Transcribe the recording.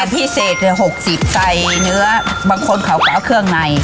อย่างพิเศษเจ๋นผมเกาะก็ข้างใน